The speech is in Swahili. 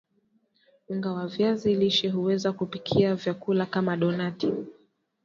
unga wa viazi lishe huweza kupikia vyakula kama donati